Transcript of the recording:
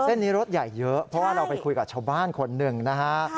เส้นนี้รถใหญ่เยอะเพราะว่าเราไปคุยกับชาวบ้านคนหนึ่งนะฮะ